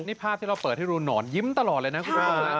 นี่ภาพที่เราเปิดให้ดูหนอนยิ้มตลอดเลยนะคุณผู้ชม